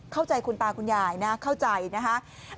เข้าใจคุณตาคุณยายนะเข้าใจนะคะ